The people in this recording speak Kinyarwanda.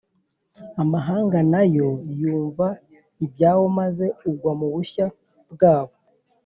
Amahanga na yo yumva ibyawo maze ugwa mu bushya bwabo